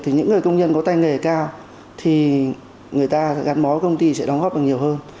thì những người công nhân có tay nghề cao thì người ta gắn bó với công ty sẽ đóng góp được nhiều hơn